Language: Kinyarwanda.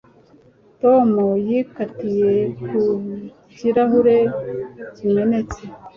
Tom yikatiye ku kirahure kimenetse